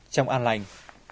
trong an lành